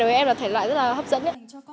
với em là thể loại rất là hấp dẫn